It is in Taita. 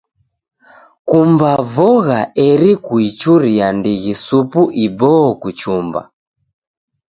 Kumba vogha eri kuichuria ndighi supu iboo kuchumba.